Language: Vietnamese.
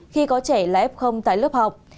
khi có trẻ là f tại lớp học